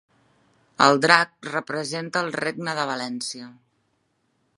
El drac representa al Regne de València.